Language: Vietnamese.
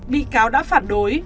bị cáo đã phản đối